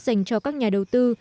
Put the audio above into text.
dành cho các nhà đầu tư